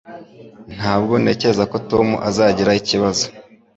Ntabwo ntekereza ko Tom azagira ibibazo